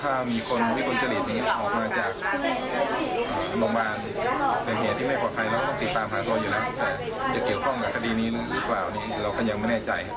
แต่เขียวข้องกับสถานที่นี้หรือถึงกว่านี้เราก็ยังไม่แน่ใจครับ